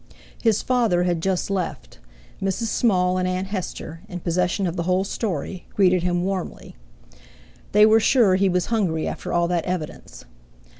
His father had just left; Mrs. Small and Aunt Hester, in possession of the whole story, greeted him warmly. They were sure he was hungry after all that evidence.